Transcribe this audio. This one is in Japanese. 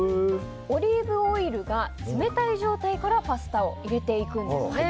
オリーブオイルが冷たい状態からパスタを入れていくんですね。